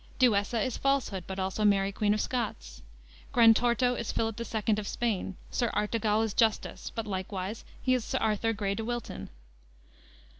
Duessa is Falsehood, but also Mary Queen of Scots. Grantorto is Philip II. of Spain. Sir Artegal is Justice, but likewise he is Arthur Grey de Wilton.